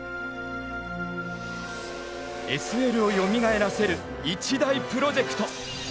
ＳＬをよみがえらせる一大プロジェクト。